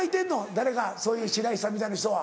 誰かそういう白石さんみたいな人は。